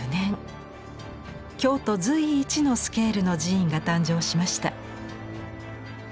京都随一のスケールの寺院が誕生しました。